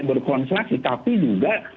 berkonsentrasi tapi juga